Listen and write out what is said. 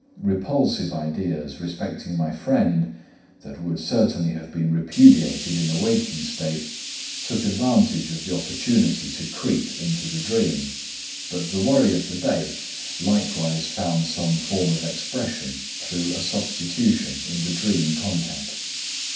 Repulsive ideas respecting my friend, that would certainly have been repudiated in a waking state, took advantage of the opportunity to creep into the dream, but the worry of the day likewise found some form of expression through a substitution in the dream content.